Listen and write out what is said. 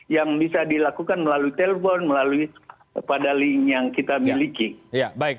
yang bisa dilakukan melalui telepon melalui pada link yang kita miliki